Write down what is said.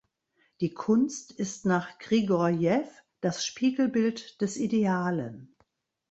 Die Kunst ist nach Grigorjew das Spiegelbild des Idealen.